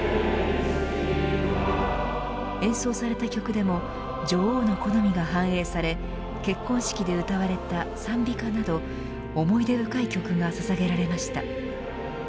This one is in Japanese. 演奏された曲でも女王の好みが反映され結婚式で歌われた賛美歌など思い出深い曲がささげられました。